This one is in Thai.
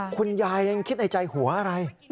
คุณยายยังคิดในใจหัวอะไร